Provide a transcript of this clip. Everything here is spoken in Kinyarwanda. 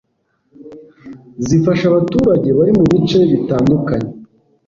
zifasha abaturage bari mu bice bitandukanye